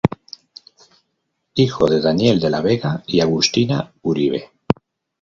Hijo de Daniel de la Vega y Agustina Uribe.